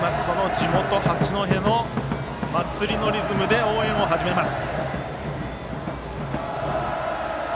地元・八戸の祭りのリズムで応援を始めます。